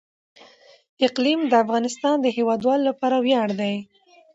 اقلیم د افغانستان د هیوادوالو لپاره ویاړ دی.